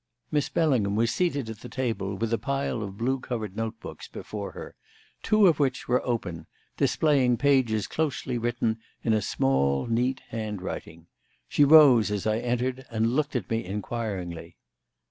Miss Bellingham was seated at the table with a pile of blue covered note books before her, two of which were open, displaying pages closely written in a small, neat handwriting. She rose as I entered and looked at me inquiringly.